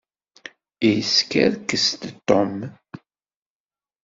Yeskerkes-d Tom.